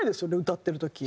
歌ってる時。